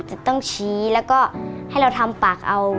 จะต้องชี้แล้วก็ให้เราทำปากเอา